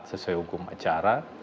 sesuai hukum acara